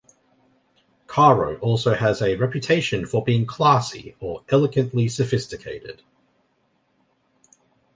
Caro also has a reputation for being "classy", or elegantly sophisticated.